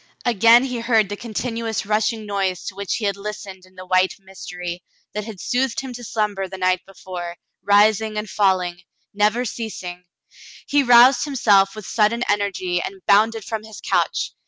Again he heard the continuous rushing noise to which he had listened in the white mystery, that had soothed him to slumber the night before, rising and falling — never ceasing. He roused himself with sudden energy and bounded from his couch.